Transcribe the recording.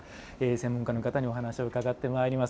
専門家の方にお話を伺ってまいります。